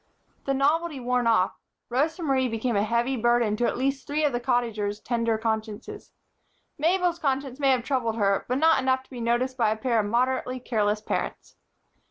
The novelty worn off, Rosa Marie became a heavy burden to at least three of the Cottagers' tender consciences. Mabel's conscience may have troubled her, but not enough to be noticed by a pair of moderately careless parents.